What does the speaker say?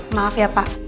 maaf ya pak